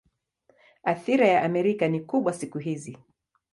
Athira ya Amerika ni kubwa siku hizi.